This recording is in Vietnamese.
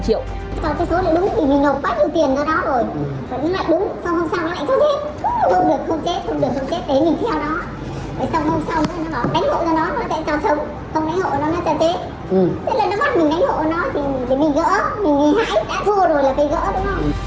thế là nó bắt mình đánh hộ cho nó thì mình gỡ mình gỡ đã thua rồi là phải gỡ đúng không